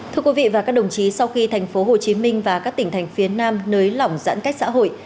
thưa quý vị và các đồng chí sau khi thành phố hồ chí minh và các tỉnh thành phía nam nới lỏng giãn cách xã hội